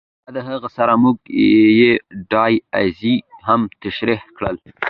بیا د هغه سره مونږ پی ډی آریز هم تشریح کړل.